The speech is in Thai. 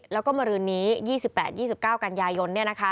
แล้วก็มารืนนี้๒๘๒๙กันยายน